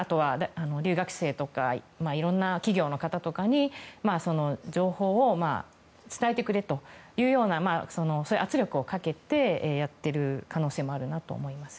留学生とかいろんな企業の方とかに情報を伝えてくれというような圧力をかけてやっている可能性もあるなと思います。